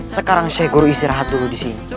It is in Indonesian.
sekarang syekh guru istirahat dulu disini